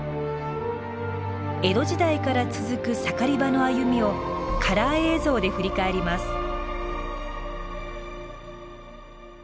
江戸時代から続く盛り場の歩みをカラー映像で振り返ります。